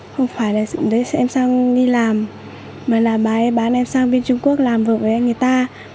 không phải là dựng đấy em sang đi làm mà là bà ấy bán em sang bên trung quốc làm vợ với anh người ta